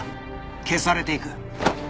消されていく。